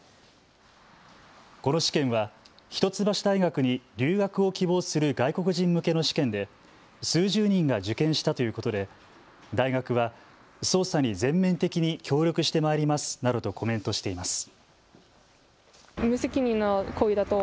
この試験は一橋大学に留学を希望する外国人向けの試験で数十人が受験したということで大学は捜査に全面的に協力してまいりますなどとコメントしています。